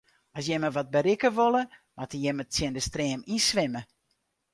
As jimme wat berikke wolle, moatte jimme tsjin de stream yn swimme.